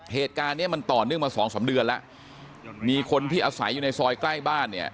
เหตุการณ์เนี้ยมันต่อเนื่องมาสองสามเดือนแล้วมีคนที่อาศัยอยู่ในซอยใกล้บ้านเนี่ย